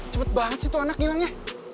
cepet banget sih tuh anaknya hilangnya